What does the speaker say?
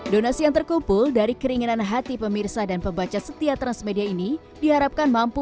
donasi yang terkumpul dari keringinan hati pemirsa dan pembaca setia transmedia ini diharapkan mampu